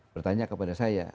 bertanya kepada saya